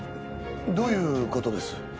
どういう事です？